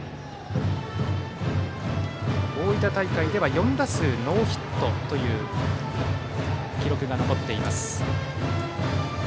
大分大会では４打数ノーヒットという記録が残っています。